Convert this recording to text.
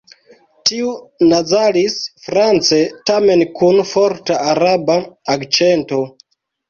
Tiu nazalis France tamen kun forta Araba akĉento.